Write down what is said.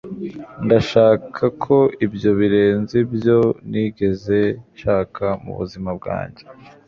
Ndashaka ko ibyo birenze ibyo nigeze nshaka mubuzima bwanjye.